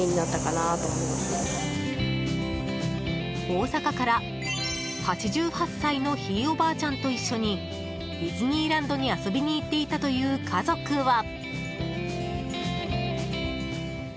大阪から８８歳のひいおばあちゃんと一緒にディズニーランドに遊びに行っていたという家族は？